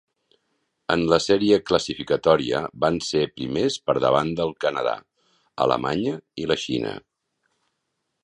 En la sèrie classificatòria van ser primers per davant del Canadà, Alemanya i la Xina.